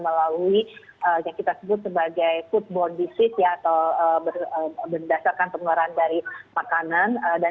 melalui yang kita sebut sebagai foodborne disease atau berdasarkan pengeluaran dari makanan dan